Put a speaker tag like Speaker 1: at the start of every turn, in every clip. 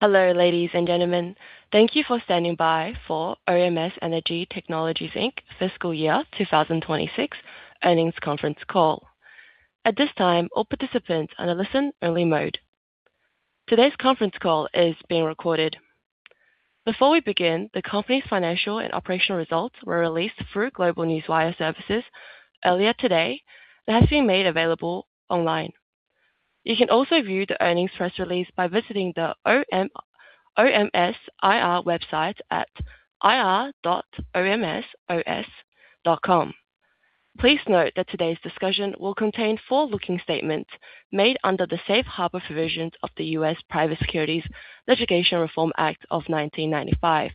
Speaker 1: Hello, ladies and gentlemen. Thank you for standing by for OMS Energy Technologies Inc. Fiscal Year 2026 earnings conference call. At this time, all participants are in listen-only mode. Today's conference call is being recorded. Before we begin, the company's financial and operational results were released through GlobeNewswire Services earlier today and have been made available online. You can also view the earnings press release by visiting the OMS IR website at ir.omsos.com. Please note that today's discussion will contain forward-looking statements made under the safe harbor provisions of the U.S. Private Securities Litigation Reform Act of 1995.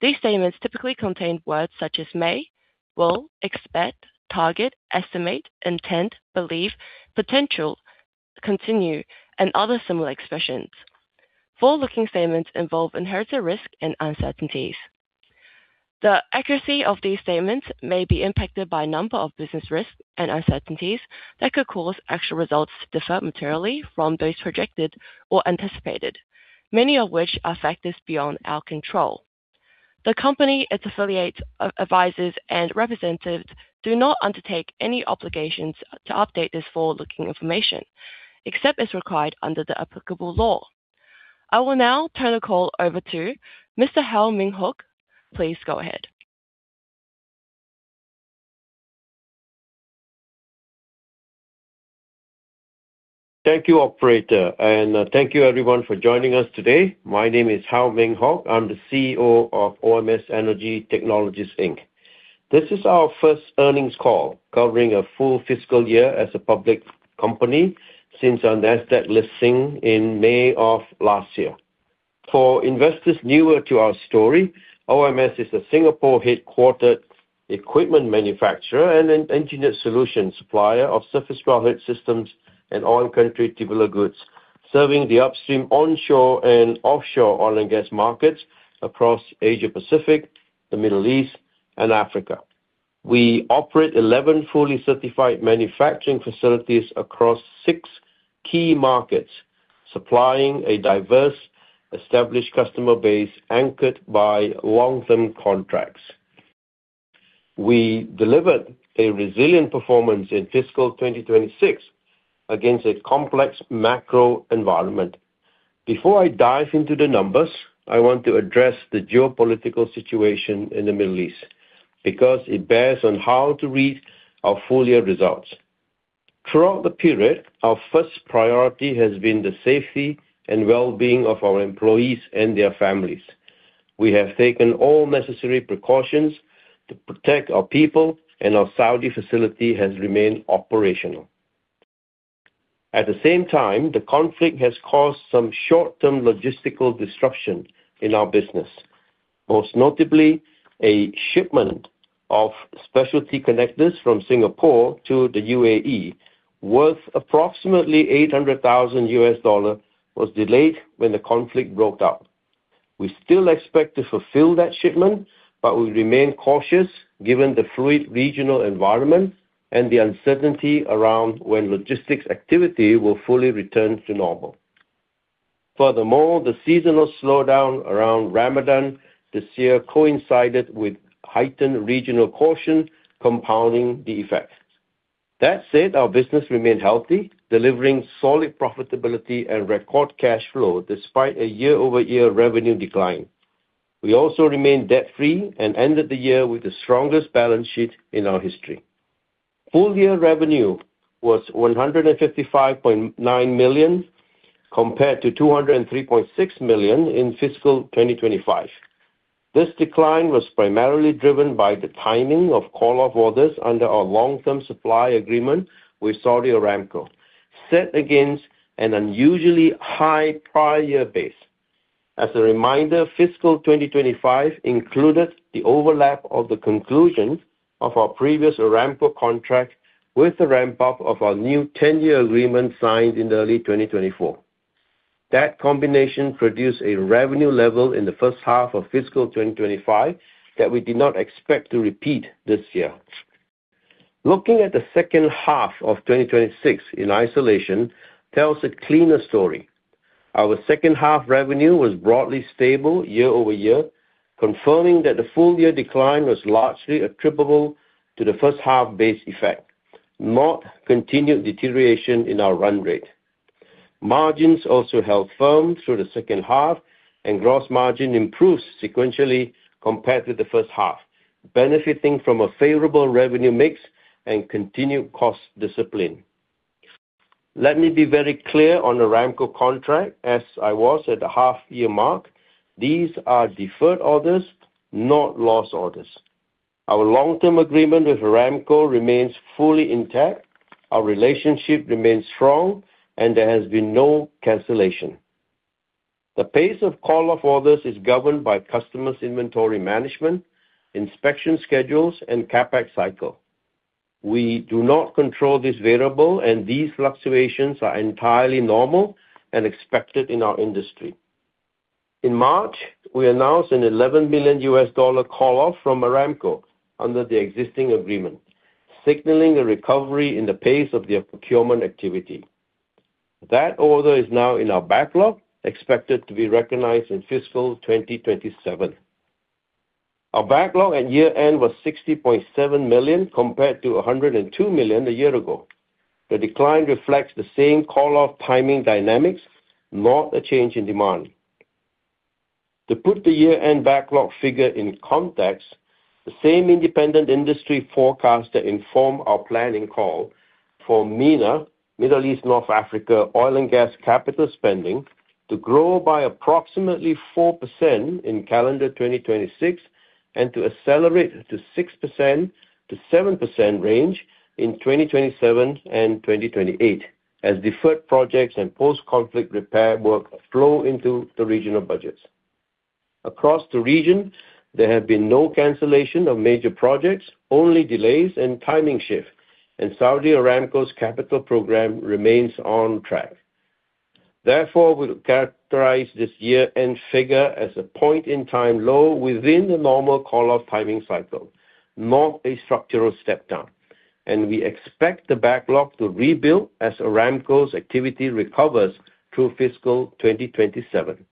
Speaker 1: These statements typically contain words such as may, will, expect, target, estimate, intent, believe, potential, continue, and other similar expressions. Forward-looking statements involve inherent risks and uncertainties. The accuracy of these statements may be impacted by a number of business risks and uncertainties that could cause actual results to differ materially from those projected or anticipated, many of which are factors beyond our control. The company, its affiliates, advisors, and representatives do not undertake any obligations to update this forward-looking information, except as required under the applicable law. I will now turn the call over to Mr. How Meng Hock. Please go ahead.
Speaker 2: Thank you, Operator, thank you everyone for joining us today. My name is How Meng Hock. I'm the CEO of OMS Energy Technologies Inc. This is our first earnings call covering a full fiscal year as a public company since our Nasdaq listing in May of last year. For investors newer to our story, OMS is a Singapore-headquartered equipment manufacturer and an engineered solution supplier of surface wellhead systems and oil country tubular goods. Serving the upstream onshore and offshore oil and gas markets across Asia Pacific, the Middle East, and Africa. We operate 11 fully certified manufacturing facilities across six key markets, supplying a diverse, established customer base anchored by long-term contracts. We delivered a resilient performance in fiscal 2026 against a complex macro environment. Before I dive into the numbers, I want to address the geopolitical situation in the Middle East because it bears on how to read our full-year results. Throughout the period, our first priority has been the safety and well-being of our employees and their families. We have taken all necessary precautions to protect our people, our Saudi facility has remained operational. At the same time, the conflict has caused some short-term logistical disruption in our business. Most notably, a shipment of specialty connectors from Singapore to the U.A.E., worth approximately $800,000, was delayed when the conflict broke out. We still expect to fulfill that shipment, we remain cautious given the fluid regional environment and the uncertainty around when logistics activity will fully return to normal. The seasonal slowdown around Ramadan this year coincided with heightened regional caution, compounding the effects. That said, our business remained healthy, delivering solid profitability and record cash flow despite a year-over-year revenue decline. We also remained debt-free and ended the year with the strongest balance sheet in our history. Full-year revenue was $155.9 million, compared to $203.6 million in FY 2025. This decline was primarily driven by the timing of call-off orders under our long-term supply agreement with Saudi Aramco, set against an unusually high prior year base. As a reminder, FY 2025 included the overlap of the conclusion of our previous Aramco contract with the ramp-up of our new 10-year agreement signed in early 2024. That combination produced a revenue level in the first half of FY 2025 that we did not expect to repeat this year. Looking at the second half of 2026 in isolation tells a cleaner story. Our second half revenue was broadly stable year-over-year, confirming that the full-year decline was largely attributable to the first half base effect, not continued deterioration in our run rate. Margins also held firm through the second half, and gross margin improved sequentially compared to the first half, benefiting from a favorable revenue mix and continued cost discipline. Let me be very clear on the Aramco contract, as I was at the half-year mark, these are deferred orders, not lost orders. Our long-term agreement with Aramco remains fully intact. Our relationship remains strong, and there has been no cancellation. The pace of call-off orders is governed by customers' inventory management, inspection schedules, and CapEx cycle. We do not control this variable, and these fluctuations are entirely normal and expected in our industry. In March, we announced an $11 million call-off from Aramco under the existing agreement. Signaling a recovery in the pace of their procurement activity. That order is now in our backlog, expected to be recognized in FY 2027. Our backlog at year-end was $60.7 million, compared to $102 million a year ago. The decline reflects the same call-off timing dynamics, not a change in demand. To put the year-end backlog figure in context, the same independent industry forecaster informed our planning call for MENA, Middle East-North Africa, oil and gas capital spending to grow by approximately 4% in calendar 2026, and to accelerate to 6%-7% range in 2027 and 2028 as deferred projects and post-conflict repair work flow into the regional budgets. Across the region, there have been no cancellation of major projects, only delays and timing shifts, and Saudi Aramco's capital program remains on track. Therefore, we characterize this year-end figure as a point-in-time low within the normal call-off timing cycle, not a structural step-down, and we expect the backlog to rebuild as Aramco's activity recovers through FY 2027.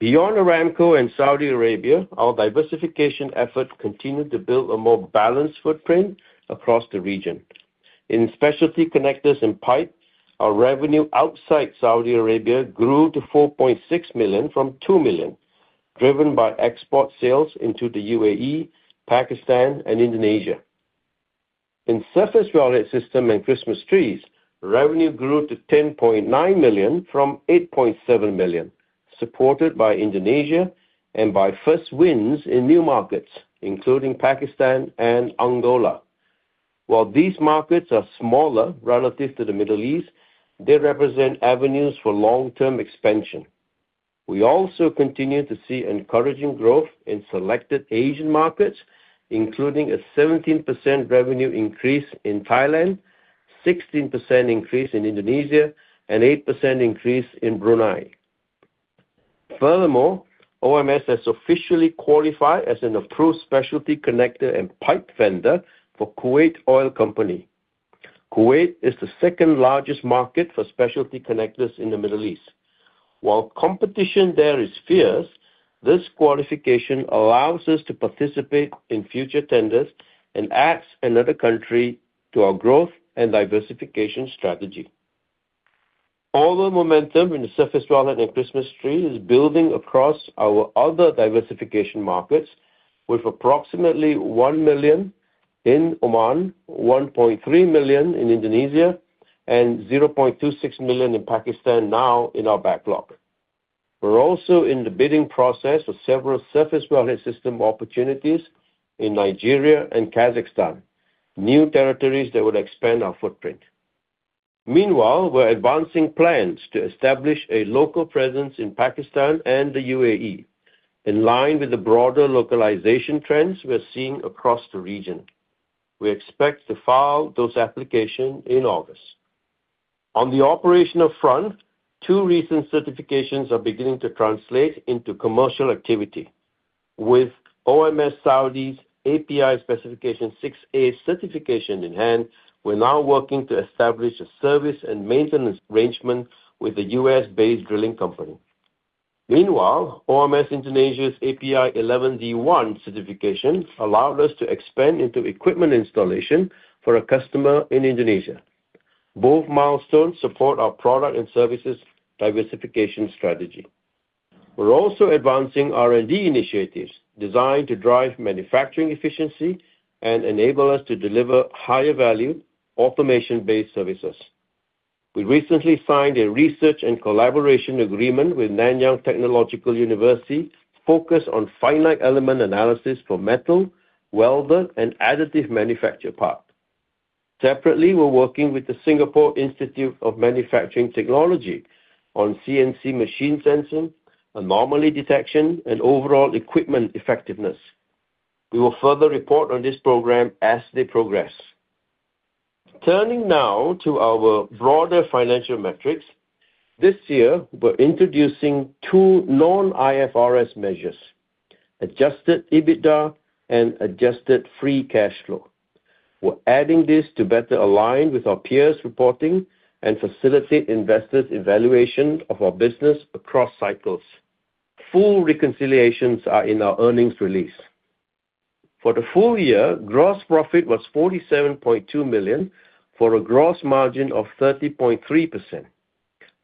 Speaker 2: Beyond Aramco and Saudi Arabia, our diversification efforts continue to build a more balanced footprint across the region. In specialty connectors and pipe, our revenue outside Saudi Arabia grew to $4.6 million from $2 million, driven by export sales into the U.A.E., Pakistan, and Indonesia. In surface wellhead system and Christmas trees, revenue grew to $10.9 million from $8.7 million, supported by Indonesia and by first wins in new markets, including Pakistan and Angola. While these markets are smaller relative to the Middle East, they represent avenues for long-term expansion. We also continue to see encouraging growth in selected Asian markets, including a 17% revenue increase in Thailand, 16% increase in Indonesia, and 8% increase in Brunei. Furthermore, OMS has officially qualified as an approved specialty connector and pipe vendor for Kuwait Oil Company. Kuwait is the second-largest market for specialty connectors in the Middle East. While competition there is fierce, this qualification allows us to participate in future tenders and adds another country to our growth and diversification strategy. Order momentum in the surface wellhead and Christmas tree is building across our other diversification markets with approximately $1 million in Oman, $1.3 million in Indonesia, and $0.26 million in Pakistan now in our backlog. We are also in the bidding process for several surface wellhead system opportunities in Nigeria and Kazakhstan, new territories that would expand our footprint. Meanwhile, we are advancing plans to establish a local presence in Pakistan and the U.A.E., in line with the broader localization trends we are seeing across the region. We expect to file those application in August. On the operational front, two recent certifications are beginning to translate into commercial activity. With OMS Saudi's API Specification 6A certification in hand, we are now working to establish a service and maintenance arrangement with a U.S.-based drilling company. Meanwhile, OMS Indonesia's API Spec 11D1 certification allowed us to expand into equipment installation for a customer in Indonesia. Both milestones support our product and services diversification strategy. We are also advancing R&D initiatives designed to drive manufacturing efficiency and enable us to deliver higher-value, automation-based services. We recently signed a research and collaboration agreement with Nanyang Technological University focused on finite element analysis for metal, welded, and additive manufactured parts. Separately, we are working with the Singapore Institute of Manufacturing Technology on CNC machine sensing, anomaly detection, and overall equipment effectiveness. We will further report on this program as they progress. Turning now to our broader financial metrics. This year, we are introducing two non-IFRS measures, adjusted EBITDA and adjusted free cash flow. We are adding this to better align with our peers' reporting and facilitate investors' evaluation of our business across cycles. Full reconciliations are in our earnings release. For the full year, gross profit was $47.2 million, for a gross margin of 30.3%.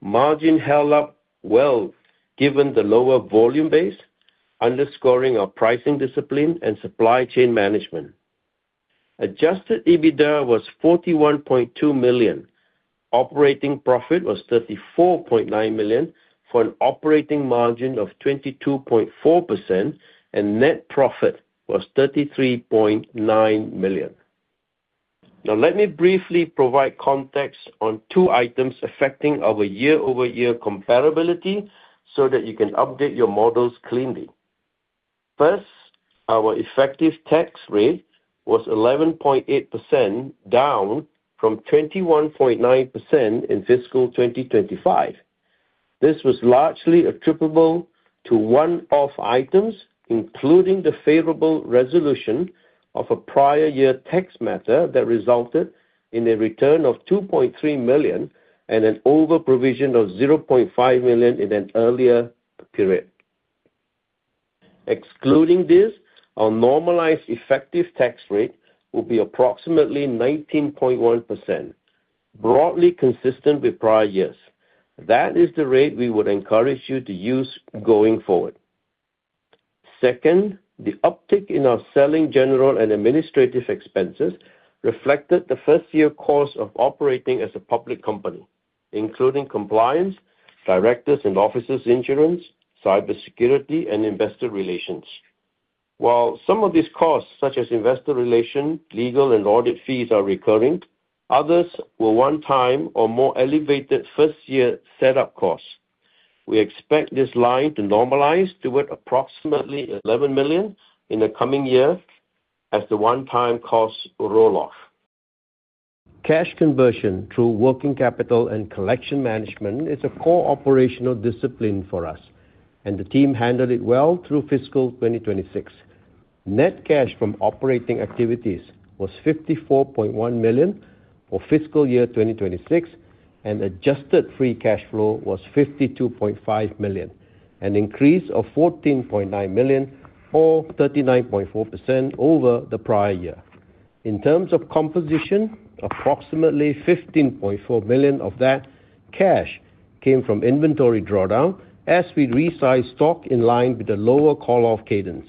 Speaker 2: Margin held up well given the lower volume base, underscoring our pricing discipline and supply chain management. Adjusted EBITDA was $41.2 million. Operating profit was $34.9 million, for an operating margin of 22.4%, and net profit was $33.9 million. Let me briefly provide context on two items affecting our year-over-year comparability so that you can update your models cleanly. First, our effective tax rate was 11.8%, down from 21.9% in fiscal 2025. This was largely attributable to one-off items, including the favorable resolution of a prior year tax matter that resulted in a return of $2.3 million and an over-provision of $0.5 million in an earlier period. Excluding this, our normalized effective tax rate will be approximately 19.1%, broadly consistent with prior years. That is the rate we would encourage you to use going forward. Second, the uptick in our selling, general, and administrative expenses reflected the first-year cost of operating as a public company, including compliance, directors and officers insurance, cybersecurity, and investor relations. While some of these costs, such as investor relations, legal, and audit fees, are recurring, others were one-time or more elevated first-year setup costs. We expect this line to normalize toward approximately $11 million in the coming year as the one-time costs roll off. Cash conversion through working capital and collection management is a core operational discipline for us, and the team handled it well through fiscal 2026. Net cash from operating activities was $54.1 million for fiscal year 2026, and adjusted free cash flow was $52.5 million, an increase of $14.9 million or 39.4% over the prior year. In terms of composition, approximately $15.4 million of that cash came from inventory drawdown as we resize stock in line with the lower call-off cadence.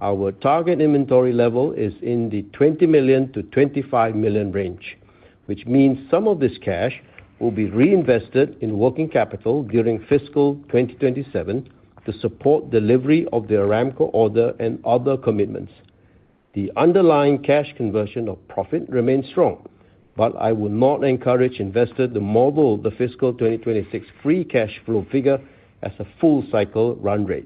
Speaker 2: Our target inventory level is in the $20 million-$25 million range, which means some of this cash will be reinvested in working capital during fiscal 2027 to support delivery of the Aramco order and other commitments. The underlying cash conversion of profit remains strong, I would not encourage investors to model the fiscal 2026 free cash flow figure as a full-cycle run rate.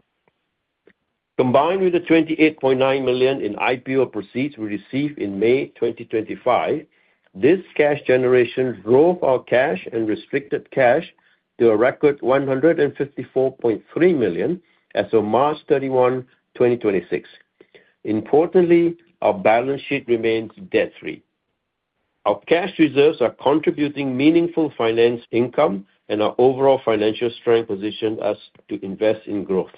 Speaker 2: Combined with the $28.9 million in IPO proceeds we received in May 2025, this cash generation drove our cash and restricted cash to a record $154.3 million as of March 31, 2026. Importantly, our balance sheet remains debt-free. Our cash reserves are contributing meaningful finance income, and our overall financial strength positions us to invest in growth.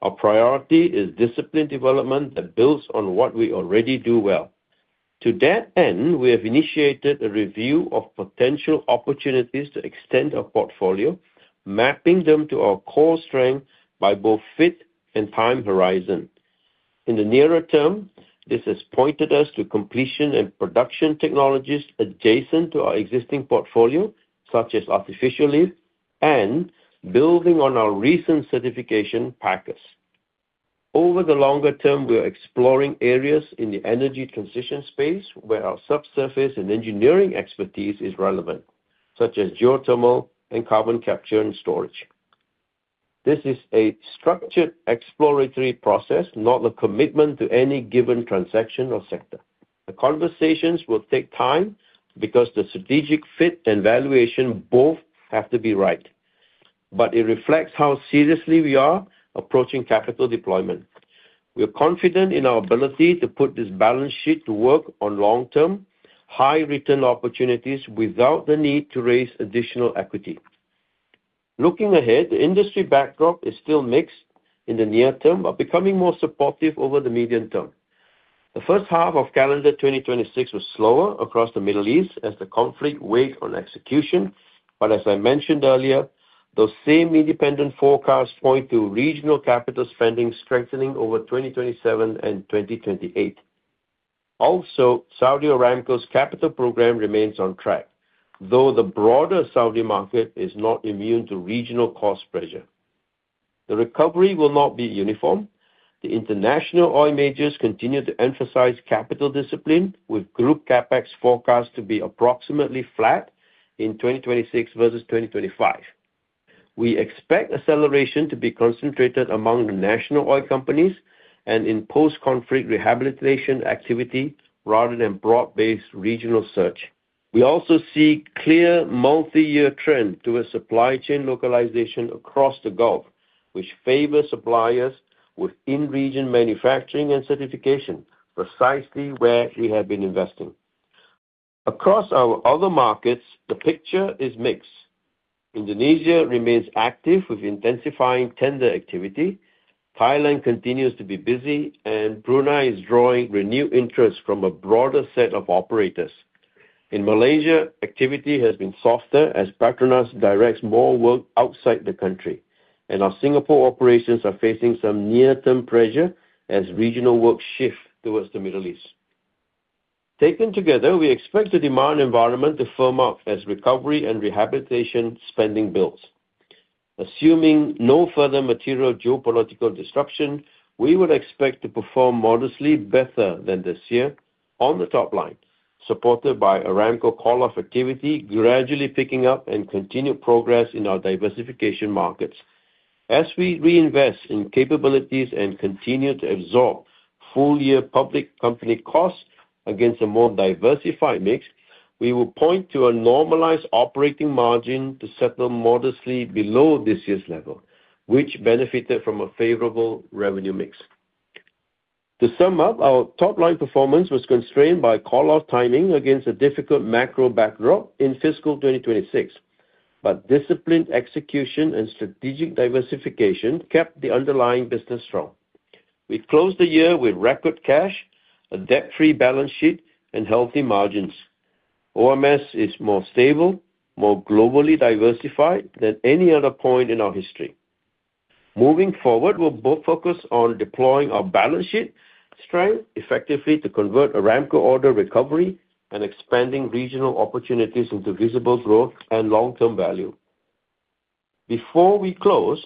Speaker 2: Our priority is disciplined development that builds on what we already do well. To that end, we have initiated a review of potential opportunities to extend our portfolio, mapping them to our core strength by both fit and time horizon. In the nearer term, this has pointed us to completion and production technologies adjacent to our existing portfolio, such as artificial lift and, building on our recent certification, packers. Over the longer term, we are exploring areas in the energy transition space where our subsurface and engineering expertise is relevant, such as geothermal and carbon capture and storage. This is a structured exploratory process, not a commitment to any given transaction or sector. The conversations will take time because the strategic fit and valuation both have to be right, it reflects how seriously we are approaching capital deployment. We are confident in our ability to put this balance sheet to work on long-term, high-return opportunities without the need to raise additional equity. Looking ahead, the industry backdrop is still mixed in the near term, becoming more supportive over the medium term. The first half of calendar 2026 was slower across the Middle East as the conflict weighed on execution. As I mentioned earlier, those same independent forecasts point to regional capital spending strengthening over 2027 and 2028. Saudi Aramco's capital program remains on track, though the broader Saudi market is not immune to regional cost pressure. The recovery will not be uniform. The international oil majors continue to emphasize capital discipline, with group CapEx forecast to be approximately flat in 2026 versus 2025. We expect acceleration to be concentrated among the national oil companies and in post-conflict rehabilitation activity rather than broad-based regional search. We also see a clear multiyear trend towards supply chain localization across the Gulf, which favor suppliers with in-region manufacturing and certification, precisely where we have been investing. Across our other markets, the picture is mixed. Indonesia remains active with intensifying tender activity. Thailand continues to be busy, and Brunei is drawing renewed interest from a broader set of operators. In Malaysia, activity has been softer as PETRONAS directs more work outside the country, and our Singapore operations are facing some near-term pressure as regional work shifts towards the Middle East. Taken together, we expect the demand environment to firm up as recovery and rehabilitation spending builds. Assuming no further material geopolitical disruption, we would expect to perform modestly better than this year on the top line, supported by Aramco call-off activity gradually picking up and continued progress in our diversification markets. As we reinvest in capabilities and continue to absorb full-year public company costs against a more diversified mix, we will point to a normalized operating margin to settle modestly below this year's level, which benefited from a favorable revenue mix. To sum up, our top-line performance was constrained by call-off timing against a difficult macro backdrop in fiscal 2026. Disciplined execution and strategic diversification kept the underlying business strong. We closed the year with record cash, a debt-free balance sheet, and healthy margins. OMS is more stable, more globally diversified than any other point in our history. Moving forward, we'll both focus on deploying our balance sheet strength effectively to convert Aramco order recovery and expanding regional opportunities into visible growth and long-term value. Before we close,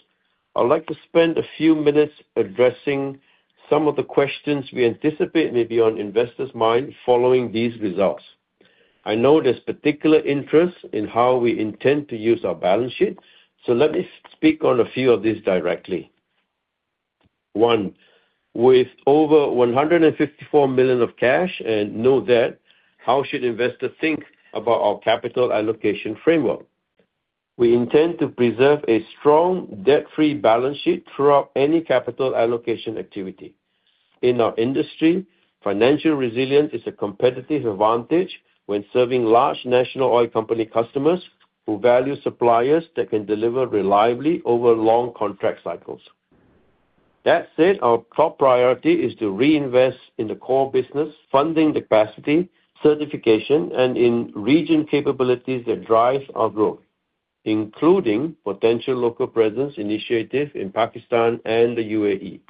Speaker 2: I'd like to spend a few minutes addressing some of the questions we anticipate may be on investors' minds following these results. I know there's particular interest in how we intend to use our balance sheet, let me speak on a few of these directly. One, with over $154 million of cash and no debt, how should investors think about our capital allocation framework? We intend to preserve a strong debt-free balance sheet throughout any capital allocation activity. In our industry, financial resilience is a competitive advantage when serving large national oil company customers who value suppliers that can deliver reliably over long contract cycles. That said, our top priority is to reinvest in the core business funding capacity, certification, and in-region capabilities that drive our growth, including potential local presence initiatives in Pakistan and the U.A.E.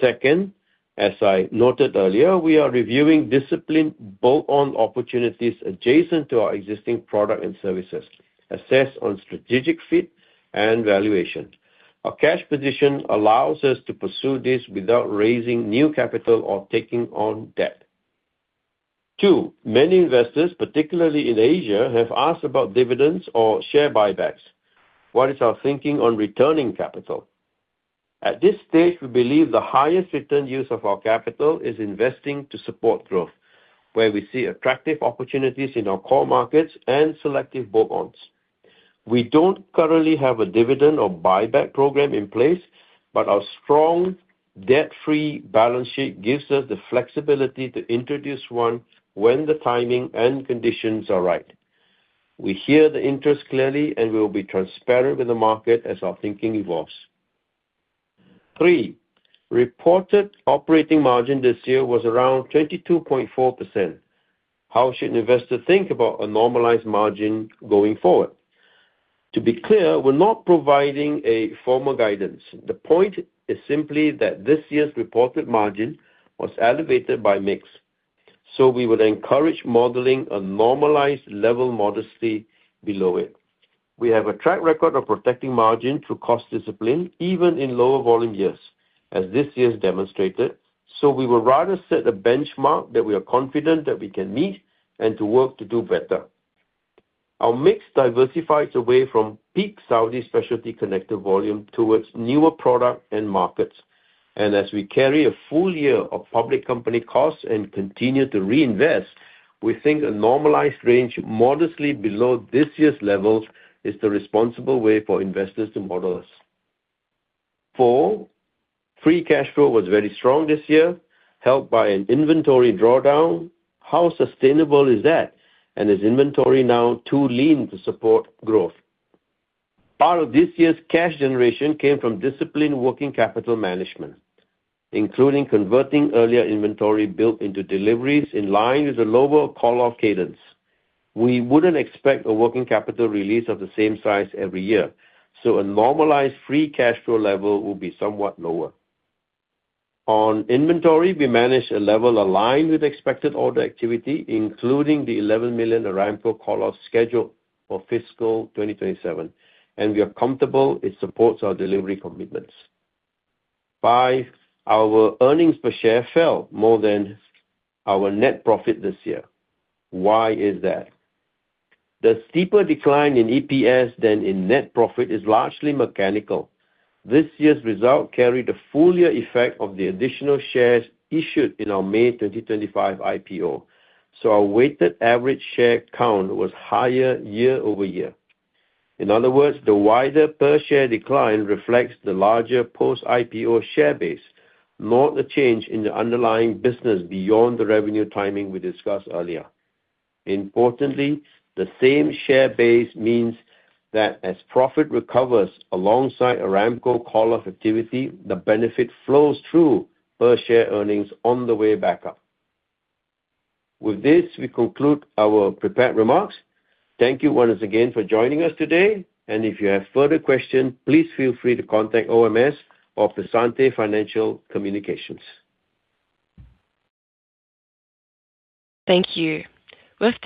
Speaker 2: Second, as I noted earlier, we are reviewing disciplined bolt-on opportunities adjacent to our existing product and services, assessed on strategic fit and valuation. Our cash position allows us to pursue this without raising new capital or taking on debt. Two, many investors, particularly in Asia, have asked about dividends or share buybacks. What is our thinking on returning capital? At this stage, we believe the highest return use of our capital is investing to support growth, where we see attractive opportunities in our core markets and selective bolt-ons. We don't currently have a dividend or buyback program in place, our strong debt-free balance sheet gives us the flexibility to introduce one when the timing and conditions are right. We hear the interest clearly, and we'll be transparent with the market as our thinking evolves. Three, reported operating margin this year was around 22.4%. How should an investor think about a normalized margin going forward? To be clear, we're not providing a formal guidance. The point is simply that this year's reported margin was elevated by mix. We would encourage modeling a normalized level modestly below it. We have a track record of protecting margin through cost discipline, even in lower volume years, as this year's demonstrated. We would rather set a benchmark that we are confident that we can meet and to work to do better. Our mix diversifies away from peak Saudi specialty connector volume towards newer product and markets. As we carry a full year of public company costs and continue to reinvest, we think a normalized range modestly below this year's levels is the responsible way for investors to model us. Four, free cash flow was very strong this year, helped by an inventory drawdown. How sustainable is that? Is inventory now too lean to support growth? Part of this year's cash generation came from disciplined working capital management, including converting earlier inventory built into deliveries in line with a lower call-off cadence. We wouldn't expect a working capital release of the same size every year. A normalized free cash flow level will be somewhat lower. On inventory, we manage a level aligned with expected order activity, including the $11 million Aramco call-offs scheduled for fiscal 2027, and we are comfortable it supports our delivery commitments. Five, our EPS fell more than our net profit this year. Why is that? The steeper decline in EPS than in net profit is largely mechanical. This year's result carried the full year effect of the additional shares issued in our May 2025 IPO. Our weighted average share count was higher year-over-year. In other words, the wider per-share decline reflects the larger post-IPO share base, not the change in the underlying business beyond the revenue timing we discussed earlier. Importantly, the same share base means that as profit recovers alongside Aramco call-off activity, the benefit flows through per-share earnings on the way back up. With this, we conclude our prepared remarks. Thank you once again for joining us today. If you have further questions, please feel free to contact OMS or Piacente Financial Communications.
Speaker 1: Thank you. With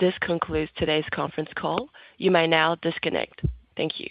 Speaker 1: this concludes today's conference call. You may now disconnect. Thank you.